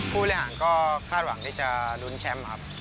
ผู้แหล่งก็คาดหวังที่จะรุนแชมป์